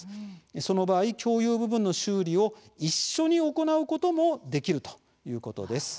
その場合共用部分の修理を一緒に行うこともできるということです。